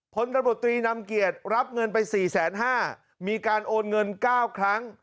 พนธบตรีนำเกียจรับเงินไป๔๕๐๐๐๐บาทมีการโอนเงิน๙ครั้ง